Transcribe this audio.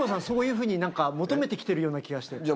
そういうふうに求めて来てるような気がして。